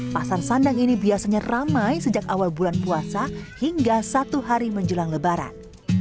pasar sandang ini biasanya ramai sejak awal bulan puasa hingga satu hari menjelang lebaran